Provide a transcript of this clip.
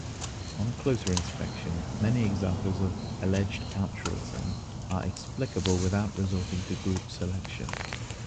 On closer inspection many examples of alleged altruism are explicable without resorting to group selection.